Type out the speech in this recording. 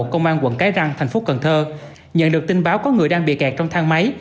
công an quận cái răng thành phố cần thơ nhận được tin báo có người đang bị kẹt trong thang máy